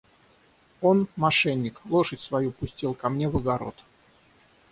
Он, мошенник, лошадь свою пустил ко мне в огород.